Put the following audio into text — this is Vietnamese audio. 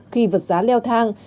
khi vật giá leo thang